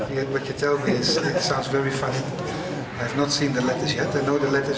ini adalah kompetisi yang tidak dikenal oleh fifa atau afc